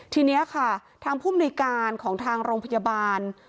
ทีนี้ค่ะทางผู้มนุยการของทางโรงพยาบาล